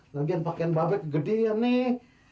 lagian pakaian babek gedean nih